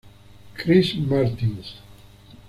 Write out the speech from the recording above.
Chris Martins.